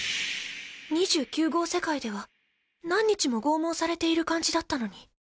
２９号世界では何日も拷問されている感じだったのに